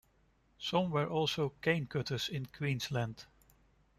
Some were also cane-cutters in Queensland.